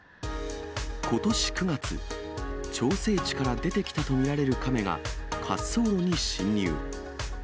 ことし９月、調整池から出てきたと見られるカメが、滑走路に侵入。